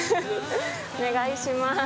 お願いします。